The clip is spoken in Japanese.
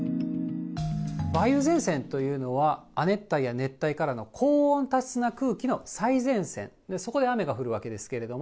梅雨前線というのは、亜熱帯や熱帯からの高温多湿な空気の最前線、そこで雨が降るわけですけれども。